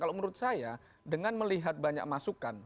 kalau menurut saya dengan melihat banyak masukan